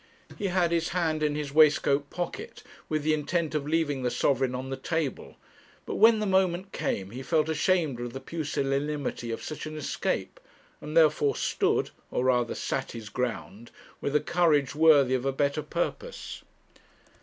He had his hand in his waistcoat pocket, with the intent of leaving the sovereign on the table; but when the moment came he felt ashamed of the pusillanimity of such an escape, and therefore stood, or rather sat his ground, with a courage worthy of a better purpose.